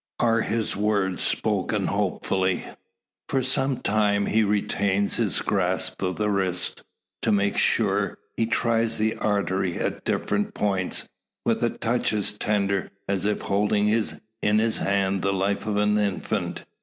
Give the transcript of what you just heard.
are his words, spoken hopefully. For some time he retains his grasp of the wrist. To make more sure, he tries the artery at different points, with a touch as tender, as if holding in his hand the life of an infant.